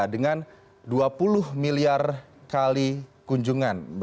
dengan dua puluh miliar kali kunjungan